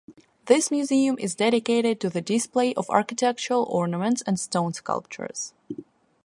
This museum is dedicated to the display of architectural ornaments and stone sculptures.